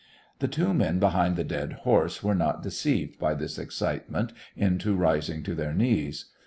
The two men behind the dead horse were not deceived by this excitement into rising to their knees.